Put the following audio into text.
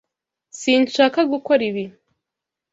Sinshaka gukora ibi.